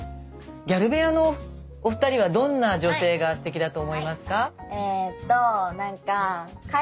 ギャル部屋のお二人はどんな女性がすてきだと思いますか？